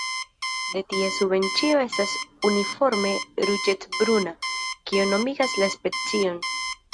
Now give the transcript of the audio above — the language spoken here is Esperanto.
De tie suben ĉio estas uniforme ruĝecbruna, kio nomigas la specion.